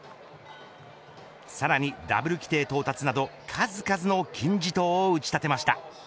さらにダブル規定到達など数々の金字塔を打ち立てました。